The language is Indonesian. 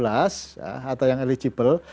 atau yang eligible